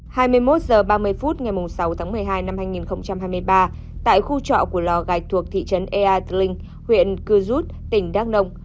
hai mươi một h ba mươi phút ngày sáu tháng một mươi hai năm hai nghìn hai mươi ba tại khu trọ của lò gạch thuộc thị trấn ea dling huyện cư rút tỉnh đắk nông